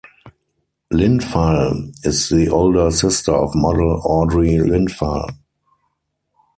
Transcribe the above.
Lindvall is the older sister of model Audrey Lindvall.